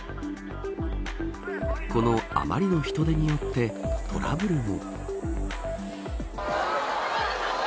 このあまりの人出によってトラブルも。